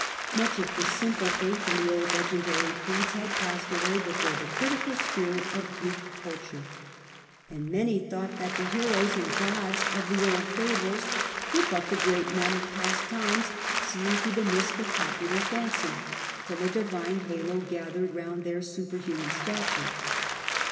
Much of the simple faith in the eu^emer legendary creeds had passed away before the critical spirit of Greek culture and many thought —A. a 14. Augustus, 41 that the heroes and gods of the old fables were but the great men of past times seen through the mist of popular fancy, till a divine halo gathered round their superhuman stature.